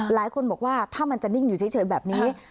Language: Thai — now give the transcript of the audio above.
หลายคนบอกว่าถ้ามันจะนิ่งอยู่เฉยแบบนี้